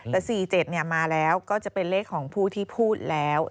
แต่๔๗มาแล้วก็จะเป็นเลขของผู้ที่พูดแล้ว